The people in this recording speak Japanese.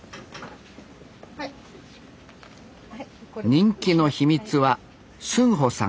人気の秘密はスンホさん